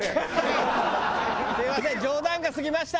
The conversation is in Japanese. すみません。